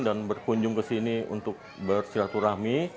dan berkunjung ke sini untuk bersiraturahmi